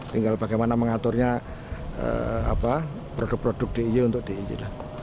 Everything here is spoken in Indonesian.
tinggal bagaimana mengaturnya produk produk d i e untuk d i e